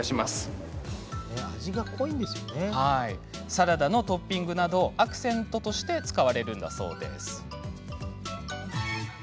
サラダのトッピングなどアクセントとして使われるんだそうです。